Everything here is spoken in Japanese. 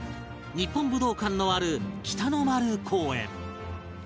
日本武道館のある北の丸公園